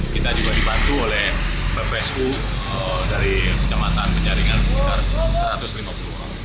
kita juga dibantu oleh ppsu dari kecamatan penjaringan sekitar satu ratus lima puluh orang